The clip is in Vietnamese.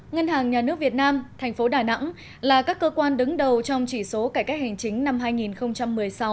ngân hàng nhà nước việt nam thành phố đà nẵng là các cơ quan đứng đầu trong chỉ số cải cách hành chính năm hai nghìn một mươi sáu